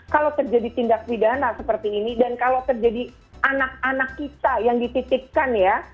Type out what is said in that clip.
kalau terjadi tindak pidana seperti ini dan kalau terjadi anak anak kita yang dititipkan ya